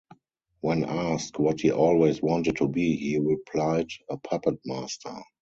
When asked what he always wanted to be, he replied: "A puppet master".